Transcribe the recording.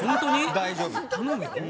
大丈夫。